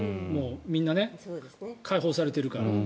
みんな開放されてるから。